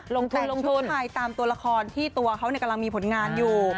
ลงทั่วไทยตามตัวละครที่ตัวเขากำลังมีผลงานอยู่